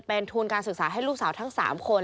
เป็นทุนการศึกษาให้ลูกสาวทั้ง๓คน